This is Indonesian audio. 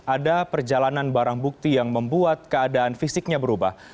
ada perjalanan barang bukti yang membuat keadaan fisiknya berubah